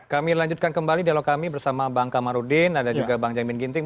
kami lanjutkan kembali dialog kami bersama bang kamarudin ada juga bang jamin ginting